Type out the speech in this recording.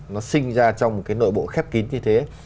nó sinh ra trong một cái nội bộ khép kín như thế